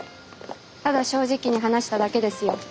ただ正直に話しただけですよ。